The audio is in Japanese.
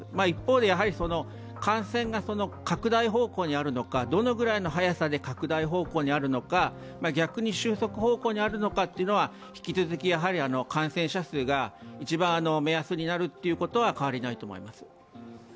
一方で感染が拡大方向にあるのかどのぐらいの速さで拡大方向にあるのか、逆に収束方向にあるのかということは、一番、目安になるということは変わりないと思います。